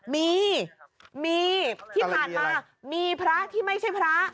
มีมีที่ผ่านมามีพระที่ไม่ใช่พระ